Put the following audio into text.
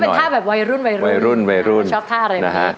อันนี้ก็เป็นท่าแบบวัยรุ่นวัยรุ่นวัยรุ่นวัยรุ่นชอบท่าอะไรไหมนะฮะ